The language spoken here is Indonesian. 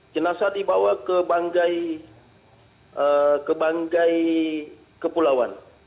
jenazah dibawa ke banggai kepulauan